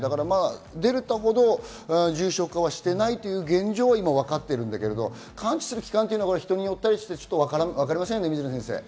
デルタほど重症化はしていないという現状は今わかっているけれど、完治する期間は人によったりして、わかりませんよね。